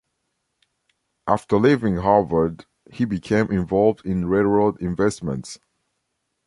After leaving Harvard he became involved in railroad investments.